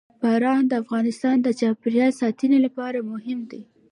باران د افغانستان د چاپیریال ساتنې لپاره مهم دي.